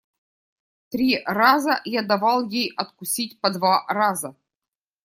Три раза я давал ей откусить по два раза.